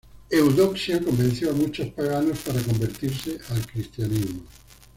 Eudoxia convenció a muchos paganos para convertirse al cristianismo.